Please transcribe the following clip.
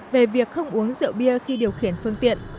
về việc không uống rượu bia khi điều khiển phương tiện